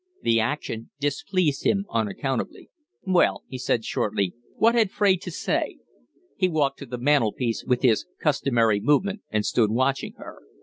The action displeased him unaccountably. "Well," he said, shortly, "what had Fraide to say?" He walked to the mantel piece with his customary movement and stood watching her.